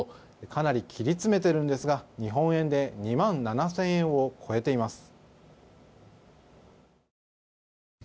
かなり切り詰めているんですが日本円で２万７０００円を超えています。